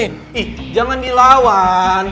ih jangan dilawan